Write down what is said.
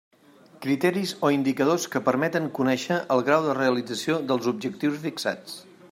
Criteris o indicadors que permeten conèixer el grau de realització dels objectius fixats.